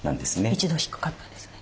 １度低かったんですね。